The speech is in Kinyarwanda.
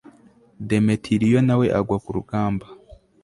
demetiriyo na we agwa ku rugamba